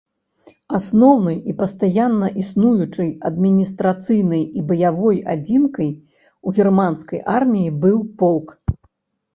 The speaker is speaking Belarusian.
Асноўнай і пастаянна існуючай адміністрацыйнай і баявой адзінкай у германскай арміі быў полк.